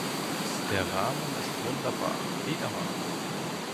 Der Rahmen ist wunderbar, wie immer.